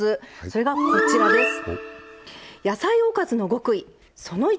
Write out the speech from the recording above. それがこちらです。